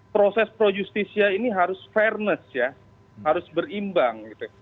proses projustisia ini harus fairness ya harus berimbang